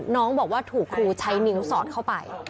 น้องบอกว่าถูกครูใช้นิ้วสอดเข้าไป